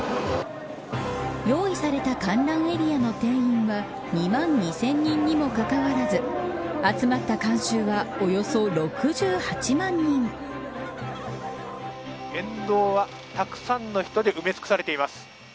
用意された観覧エリアの定員は２万２０００人にもかかわらず沿道は、たくさんの人で埋め尽くされています。